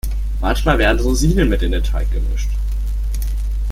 Manchmal werden Rosinen mit in den Teig gemischt.